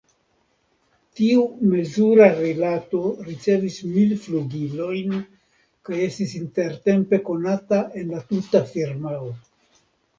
Tiu mezura rilato ricevis mil flugilojn kaj estis intertempe konata en la tuta firmao.